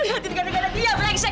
lihat ini ganda ganda dia brengsek